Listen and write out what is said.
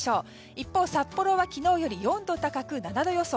一方、札幌は昨日より４度高く７度予想。